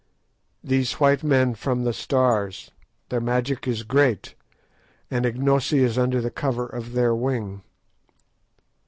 These white men from the Stars, their magic is great, and Ignosi is under the cover of their wing.